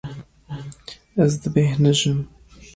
Ez dibêhnijim.